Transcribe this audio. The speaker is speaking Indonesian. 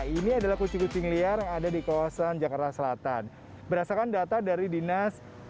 ini adalah kucing kucing liar yang ada di kawasan jakarta selatan berdasarkan data dari dinas